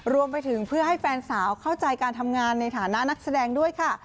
รวมไปถึงเพื่อให้แฟนสาวเข้าใจการทำงานในฐานะนักแสดงด้วยค่ะ